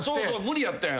無理やったんや。